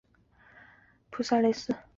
普雷赛莱。